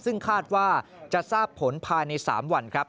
ซึ่งคาดว่าจะทราบผลภายใน๓วันครับ